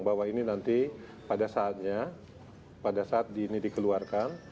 bahwa ini nanti pada saatnya pada saat dini dikeluarkan